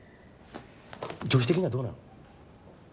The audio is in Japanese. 女子的にはどうなの？